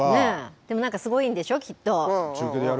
でもなんかすごいんでしょう、きっと。